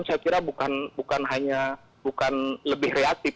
saya kira bukan hanya bukan lebih reaktif